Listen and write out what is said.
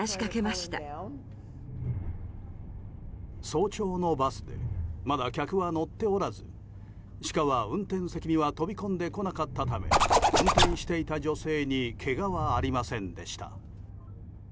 早朝のバスでまだ客は乗っておらずシカは運転席には飛び込んでこなかったため運転していた女性にけがはありませんでした。